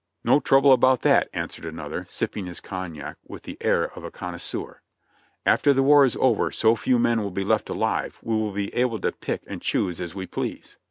"No trouble alDOut that," answered another, sipping his cognac with the air of a connoisseur; ''after the war is over so f«w men will be left alive we will be able to pick and choose as we please."